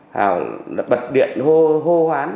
nào là bật điện hô hoán